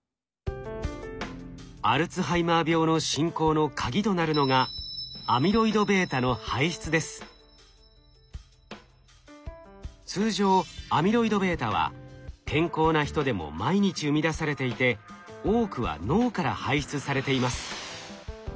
アルツハイマー病の進行のカギとなるのが通常アミロイドβは健康な人でも毎日生み出されていて多くは脳から排出されています。